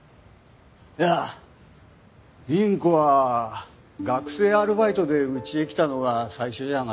いや凛子は学生アルバイトでうちへ来たのが最初じゃなかったかな？